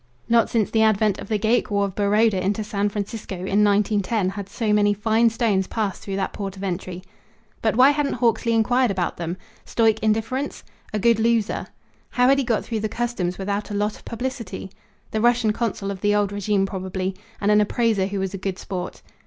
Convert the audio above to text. Not since the advent of the Gaekwar of Baroda into San Francisco, in 1910, had so many fine stones passed through that port of entry. But why hadn't Hawksley inquired about them? Stoic indifference? A good loser? How had he got through the customs without a lot of publicity? The Russian consul of the old regime probably; and an appraiser who was a good sport.